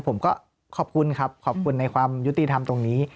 ผมก็ขอบคุณครับขอบคุณในความยุติธรรมตรงนี้